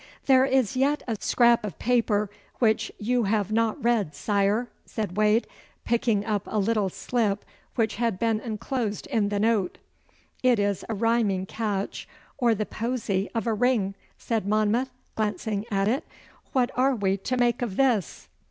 'There is yet a scrap of paper which you have not read, sire,' said Wade, picking up a little slip which had been enclosed in the note. 'It is a rhyming catch or the posy of a ring,' said Monmouth, glancing at it. 'What are we to make of this?